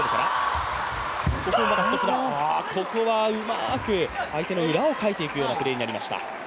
ここはうまく、相手の裏をかいていくようなプレーになりました。